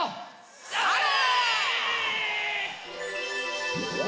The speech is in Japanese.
それ！